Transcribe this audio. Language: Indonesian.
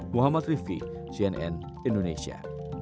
muhammad rifqi cnn indonesia